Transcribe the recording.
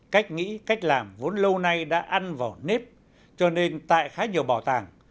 cách nghĩ cách làm vốn lâu nay đã ăn vào nếp cho nên tại khá nhiều bảo tàng